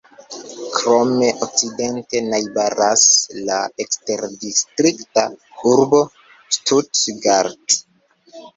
Krome okcidente najbaras la eksterdistrikta urbo Stuttgart.